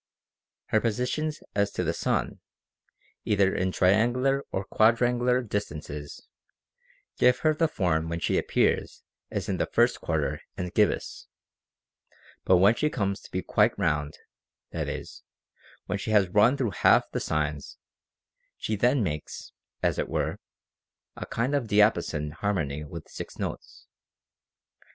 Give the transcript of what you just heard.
Her positions as to the sun, either in triangular or quadrangular distances, give her the form when she appears as in the first quarter and gibbous ; but when she comes to be quite round, that is, when she has run through half the signs, she then makes (as it were) a kind of diapason harmony with six notes.